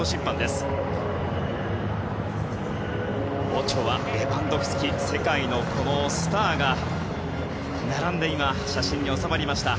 オチョア、レバンドフスキ世界のスターが並んで写真に納まりました。